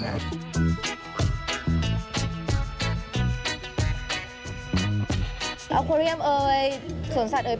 อัลโคลียมเอ๋ยสวนสัตว์เอ๋ย